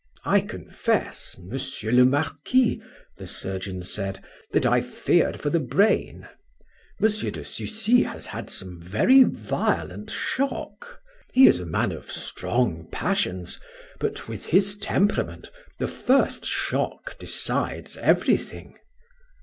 "I confess, Monsieur le Marquis," the surgeon said, "that I feared for the brain. M. de Sucy has had some very violent shock; he is a man of strong passions, but, with his temperament, the first shock decides everything.